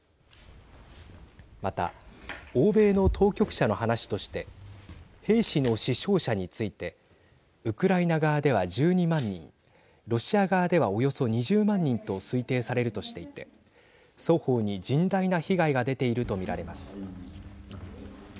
また、欧米の当局者の話として兵士の死傷者についてウクライナ側では１２万人ロシア側では、およそ２０万人と推定されるとしていて双方に甚大な被害が出ていると見られます。